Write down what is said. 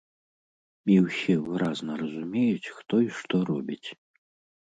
І ўсе выразна разумеюць, хто і што робіць.